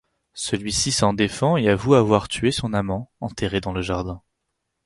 Celle-ci s'en défend et avoue avoir tué son amant, enterré dans le jardin.